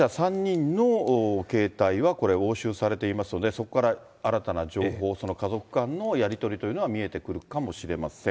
容疑者３人の携帯は、これ押収されていますので、そこから新たな情報、その家族間のやり取りというのは見えてくるかもしれません。